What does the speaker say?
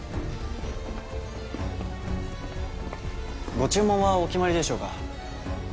ご注文はお決まりでしょうか？